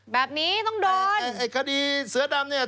แบบนี้ต้องโดนไอ้คดีเสือดำเนี่ย